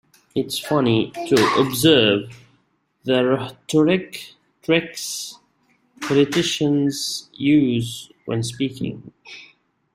It's funny to observe the rhetoric tricks politicians use when speaking.